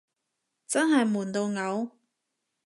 真係悶到嘔